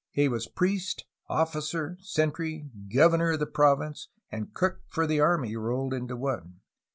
He was priest, officer, sentry, governor of the province, and cook for the army rolled into one.